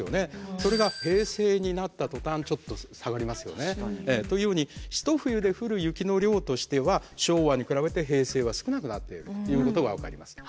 それが平成になった途端ちょっと下がりますよね。というように一冬で降る雪の量としては昭和に比べて平成は少なくなっているということが分かります。